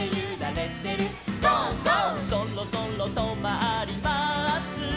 「そろそろとまります」